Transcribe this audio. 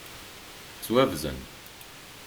Ttwabẓen.